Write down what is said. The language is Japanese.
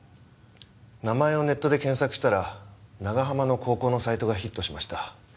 名前をネットで検索したら長浜の高校のサイトがヒットしました。